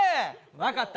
分かった、